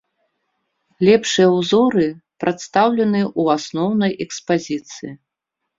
Лепшыя ўзоры прадстаўлены ў асноўнай экспазіцыі.